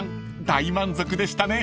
大満足でしたね］